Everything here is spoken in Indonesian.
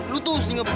lu tuh setingga petina